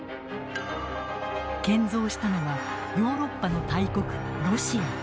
建造したのはヨーロッパの大国ロシア。